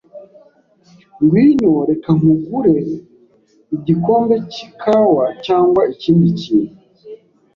Ngwino, reka nkugure igikombe cy'ikawa cyangwa ikindi kintu.